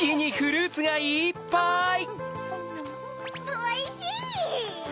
おいしい！